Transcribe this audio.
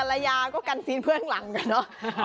กัลยาก็กันซีนเขาข้างหลังกันเนอะ